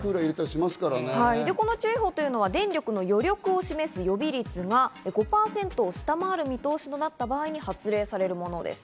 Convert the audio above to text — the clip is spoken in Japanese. この注意報は電力の余力を示す予備率が５％を下回る見通しなった場合に発令されるものです。